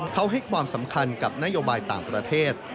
เขาให้ความสำคัญกับนโยบายต่างประเทศ